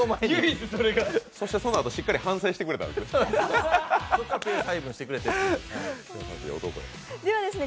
そのあと、しっかり反省してくれたんですね。